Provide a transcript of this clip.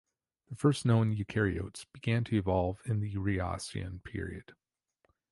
The first known eukaryotes began to evolve in the Rhyacian period.